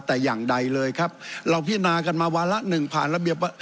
แต่อย่างใดเลยครับเราพิจารณากันมาวาระหนึ่งผ่านระเบียบว่า